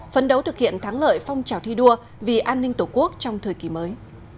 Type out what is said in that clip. phấn đấu thực hiện thắng lợi phong trào thi đua vì an ninh tổ quốc trong thời kỳ mới